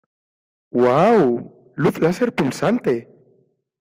¡ Uau! ¡ luz láser pulsante !